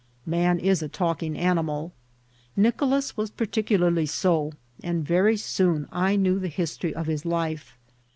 Man is a talking animal ; Nicolas was par ticularly so, and very soon I knew the history of his life.